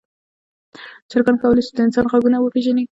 چرګان کولی شي د انسان غږونه وپیژني.